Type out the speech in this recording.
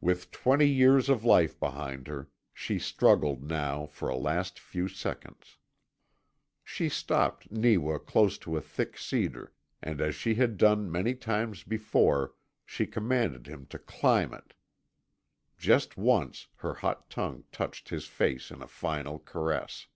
With twenty years of life behind her, she struggled now for a last few seconds. She stopped Neewa close to a thick cedar, and as she had done many times before she commanded him to climb it. Just once her hot tongue touched his face in a final caress.